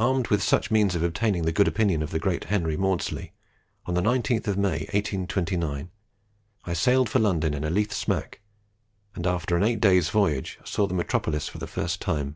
Armed with such means of obtaining the good opinion of the great Henry Maudslay, on the 19th of May, 1829, I sailed for London in a Leith smack, and after an eight days' voyage saw the metropolis for the first time.